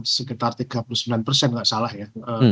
sekitar tiga puluh sembilan gak salah ya